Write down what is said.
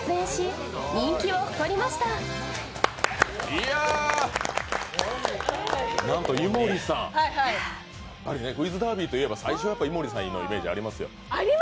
いや、何と井森さん、「クイズダービー」といえば最初、やっぱり井森さんのイメージありますよ。